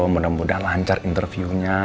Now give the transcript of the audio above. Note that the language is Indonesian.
mudah mudahan lancar interviewnya